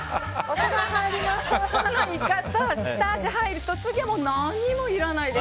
イカと下味が入ると次は何もいらないです。